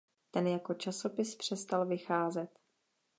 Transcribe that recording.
Ten jako časopis přestal vycházet.